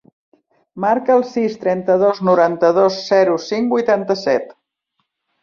Marca el sis, trenta-dos, noranta-dos, zero, cinc, vuitanta-set.